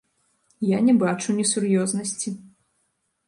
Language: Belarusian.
Я не бачу несур'ёзнасці.